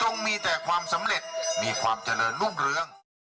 มีแต่ความสำเร็จมีความเจริญรุ่งเรือง